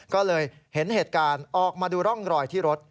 ก็เลยเห็นเหตุการณ์ออกมาดูร่องรอยที่รถ